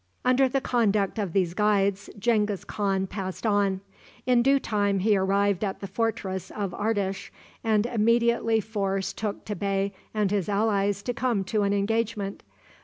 Under the conduct of these guides Genghis Khan passed on. In due time he arrived at the fortress of Ardish, and immediately forced Tukta Bey and his allies to come to an engagement.